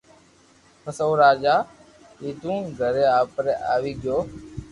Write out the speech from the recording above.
پسي او راجا ڪنو گھري آپري آوي گيو